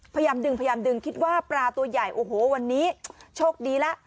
พยายามดึงคิดว่าปลาตัวใหญ่โอ้โหวันนี้โชคดีละ